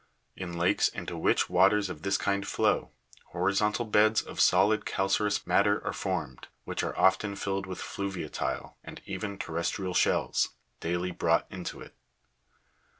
In lakes into which waters of this kind flow, hori zontal beds of solid calcareous matter are formed, which are often filled with fluviatile, and even terrestrial shells, daily brought into it.